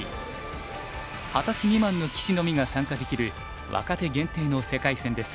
二十歳未満の棋士のみが参加できる若手限定の世界戦です。